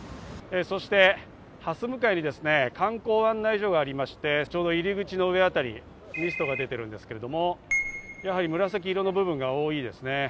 そして、はす向かい、観光案内所がありまして、入り口の上あたりにミストが出ていますが、やはり紫色の部分が多いですね。